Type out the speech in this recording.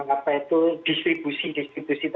apa itu distribusi